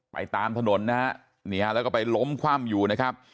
ตามถนนนะฮะนี่ฮะแล้วก็ไปล้มคว่ำอยู่นะครับ